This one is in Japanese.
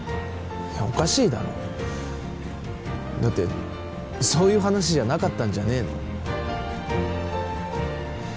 おかしいだろだってそういう話じゃなかったんじゃねえの？